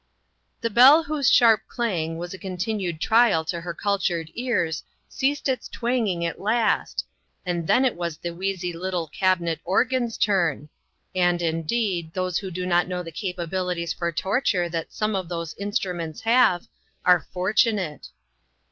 The bell whose sharp clang was a continued trial to her cultured ears, ceased its twang ing at last, and then it was the wheezy little cabinet organ's turn; and, indeed, those who do not know the capabilities for torture that some of those instruments have, are fortu TRYING TO ENDURE. 69 nate.